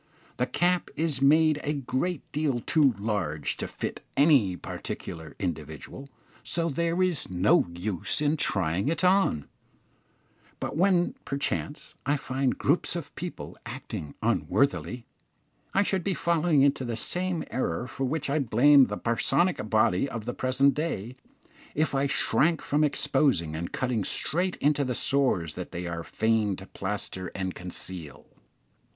The cap is made a great deal too large to fit any particular individual, so there is no use in trying it on; but when, perchance, I find groups of people acting unworthily, I should be falling into the same error for which I blame the parsonic body of the present day, if I shrank from exposing and cutting straight into the sores that they are fain to plaster and conceal.